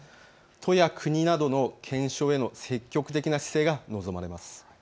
都や国などの検証への積極的な姿勢が望まれます。